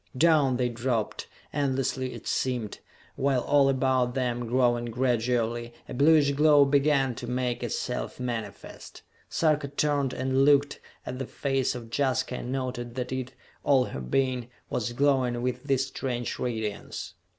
Down they dropped, endlessly it seemed, while all about them, growing gradually, a bluish glow began to make itself manifest. Sarka turned and looked at the face of Jaska and noted that it all her being was glowing with this strange radiance.